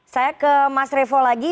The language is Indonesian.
saya ke mas revo lagi